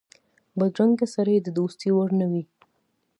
بدرنګه سړی د دوستۍ وړ نه وي